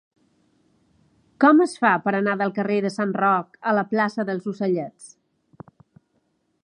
Com es fa per anar del carrer de Sant Roc a la plaça dels Ocellets?